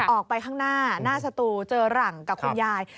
ออกไปข้างหน้าหน้าสตูเจอหลังกับคุณยาย